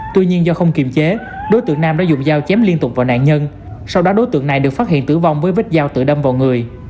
tuy nhiên do không kiềm chế đối tượng nam đã dùng dao chém liên tục vào nạn nhân sau đó đối tượng này được phát hiện tử vong với vết dao tự đâm vào người